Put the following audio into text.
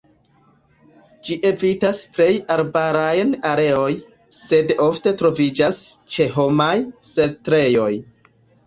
Ĝi evitas plej arbarajn areojn, sed ofte troviĝas ĉe homaj setlejoj.